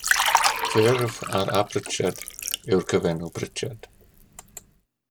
Ffurf ar ap Richard yw'r cyfenw Pritchard.